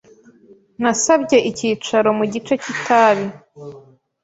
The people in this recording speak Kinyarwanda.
Nasabye icyicaro mu gice cy'itabi.